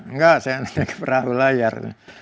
enggak saya lagi berharu layar